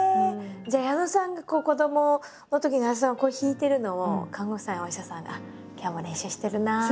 じゃあ矢野さんが子どものときに矢野さんが弾いてるのを看護婦さんやお医者さんが今日も練習してるなって。